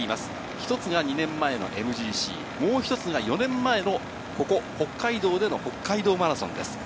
１つが２年前のＭＧＣ、もう１つが４年前のここ、北海道での北海道マラソンです。